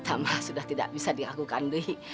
tamah sudah tidak bisa diakukan duhi